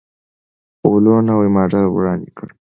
ولوو نوی ماډل وړاندې کړ.